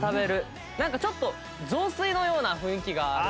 なんかちょっと雑炊のような雰囲気があるというか。